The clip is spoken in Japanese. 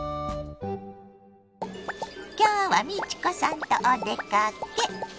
今日は美智子さんとお出かけ。